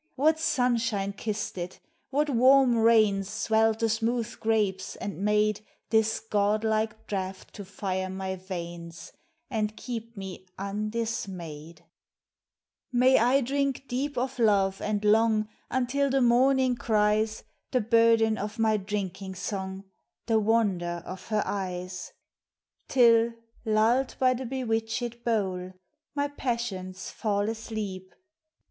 What sunshine kissed it, what warm rains Swelled the smooth grapes, and made This godlike draught to fire my veins And keep me undismayed ! May I drink deep of love and long Until the morning cries The burden of my drinking song, The wonder of her eyes ; DRINKING SONG FOR LOVERS Till, lulled by the bewitched bowl, My passions fall asleep.